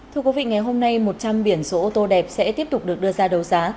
thưa quý vị ngày hôm nay một trăm linh biển số ô tô đẹp sẽ tiếp tục được đưa ra đấu giá